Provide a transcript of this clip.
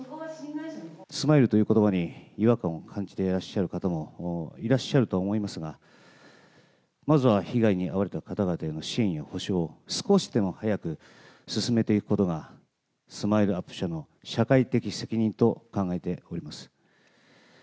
スマイルということばに、違和感を感じていらっしゃる方もいらっしゃるとは思いますが、まずは被害に遭われた方々への支援や補償を、少しでも早く進めていくことが、スマイルアップ社の社会的責任と考えております。